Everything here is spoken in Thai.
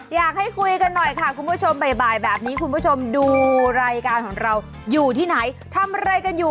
อยากให้คุยกันหน่อยค่ะคุณผู้ชมบ่ายแบบนี้คุณผู้ชมดูรายการของเราอยู่ที่ไหนทำอะไรกันอยู่